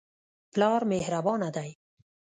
پلار مهربانه دی.